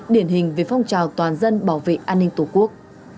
điển hình về phong trào toàn dân bảo vệ an ninh tổ quốc